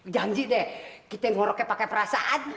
jangan jik deh kita ngoroknya pake perasaan